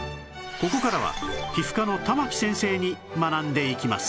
ここからは皮膚科の玉城先生に学んでいきます